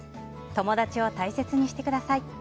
友達を大切にしてください。